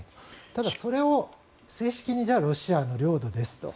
ただ、それを正式にじゃあロシアの領土ですと。